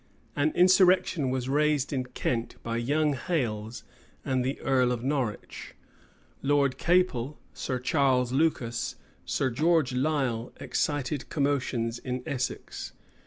An insurrection was raised in Kent by young Hales and the earl of Norwich. Lord Capel, Sir Charles Lucas, Sir George Lisle, excited commotions in Essex.